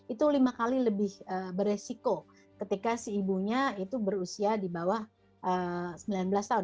itu lima kali lebih beresiko ketika si ibunya itu berusia di bawah sembilan belas tahun